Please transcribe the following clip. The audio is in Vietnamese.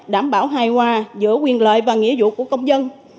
đảm bảo hài hòa giữa quyền lợi và nghĩa vụ của công dân